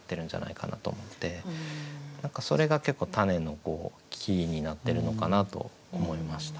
何かそれが結構たねのキーになってるのかなと思いました。